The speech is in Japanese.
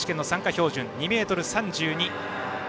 標準２ｍ３２。